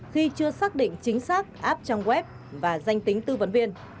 khi chưa xác định chính xác app trang web và danh tính tư vấn viên